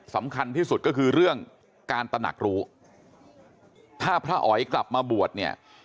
สำคัญที่สุดก็คือเรื่องการตนักรู้ถ้าพระอ๋อยกลับมาบวชเนี่ย